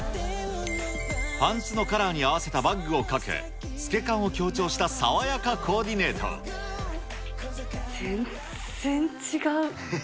パンツのカラーに合わせたバッグをかけ、透け感を強調した爽やか全然違う。